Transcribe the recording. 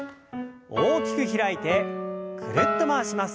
大きく開いてぐるっと回します。